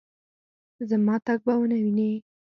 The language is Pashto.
زما تګ به ونه وینې